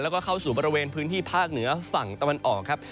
แล้วก็เข้าสู่บริเวณพื้นที่ภาคเหนือฝั่งตะวันออกครับ